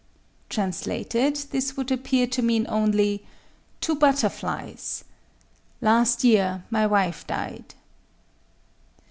Translated, this would appear to mean only,—"_Two butterflies!… Last year my dear wife died!